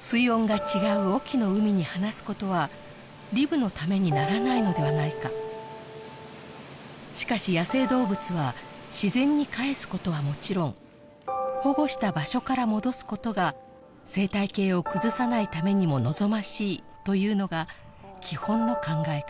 水温が違う隠岐の海に放すことはリブのためにならないのではないかしかし野生動物は自然に帰すことはもちろん保護した場所から戻すことが生態系を崩さないためにも望ましいというのが基本の考え方